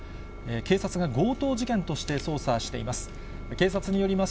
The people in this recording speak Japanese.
警察が強盗事件として捜査しています。